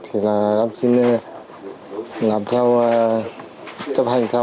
thì là em xin làm theo chấp hành theo